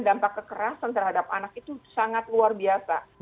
dampak kekerasan terhadap anak itu sangat luar biasa